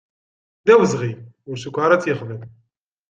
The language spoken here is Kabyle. D awezɣi, ur cukkeɣ ara a tt-yexdem.